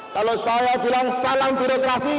kalau saya bilang salang birokrasi